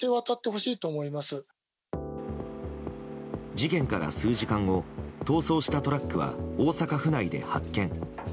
事件から数時間後逃走したトラックは大阪府内で発見。